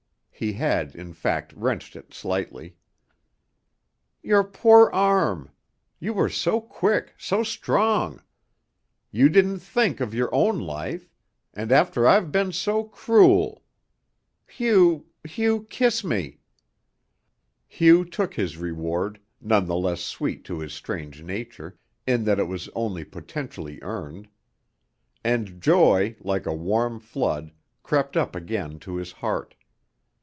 He had in fact wrenched it slightly. "Your poor arm! You were so quick, so strong. You didn't think of your own life. And I've been so cruel. Hugh, Hugh, kiss me." Hugh took his reward, none the less sweet to his strange nature, in that it was only potentially earned. And joy, like a warm flood, crept up again to his heart.